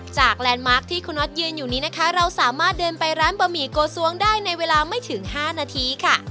แลนด์มาร์คที่คุณน็อตยืนอยู่นี้นะคะเราสามารถเดินไปร้านบะหมี่โกซ้วงได้ในเวลาไม่ถึง๕นาทีค่ะ